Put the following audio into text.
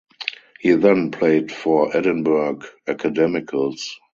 He then played for Edinburgh Academicals.